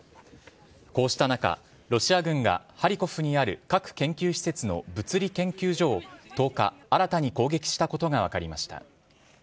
こうした中、ロシア軍がハリコフにある核研究施設の物理研究所を１０日、新たに攻撃したことが分かりました。